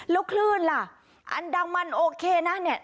แล้วคลื่นล่ะอันดังมันโอเคนะเนี่ย